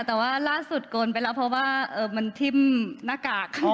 แต่ว่าล่าสุดโกนไปแล้วเพราะว่ามันทิ้มหน้ากากเขา